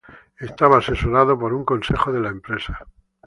Estaba asesorado por un Consejo de la Empresa.